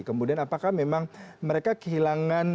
kemudian apakah memang mereka kehilangan